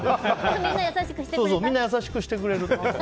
みんな優しくしてくれる。